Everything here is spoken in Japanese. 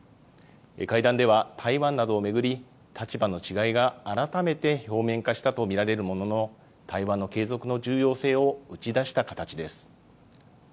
会談では台湾などを巡り、立場の違いが改めて表面化したと見られるものの、対話の継続の重要性を打ち出した形です。